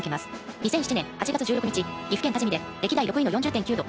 ２００７年８月１６日岐阜県多治見で歴代６位の４０．９度。